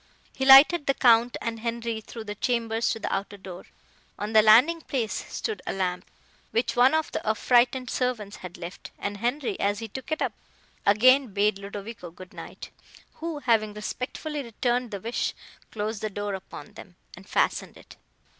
He lighted the Count and Henri through the chambers to the outer door. On the landing place stood a lamp, which one of the affrighted servants had left, and Henri, as he took it up, again bade Ludovico good night, who, having respectfully returned the wish, closed the door upon them, and fastened it.